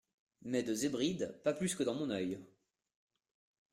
Mais de Zhébrides, pas plus que dans mon œil !